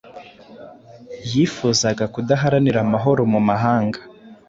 Yifuzaga kudaharanira amahoro mu mahanga